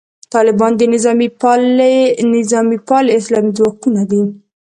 طالبان د نظامي پالي اسلام ځواکونه دي.